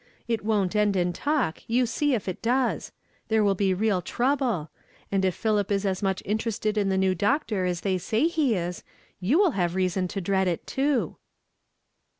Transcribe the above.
It won't end in talk, you see if it does : there wall be real trouble ; and if Philip is as nnich interested in the new doctor as they say he is, you will have reason to dread it, too."